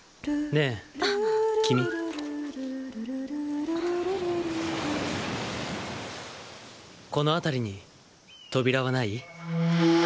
ねえ、君この辺りに扉はない？